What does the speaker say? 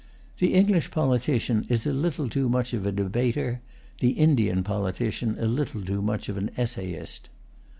The English politician is a little too much of a debater; the Indian politician a little too much of an essayist.